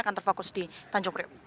akan terfokus di tanjung priok